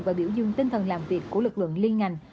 và biểu dương tinh thần làm việc của lực lượng liên ngành